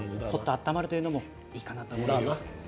温まるのもいいかなと思います。